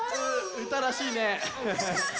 うーたんらしいね。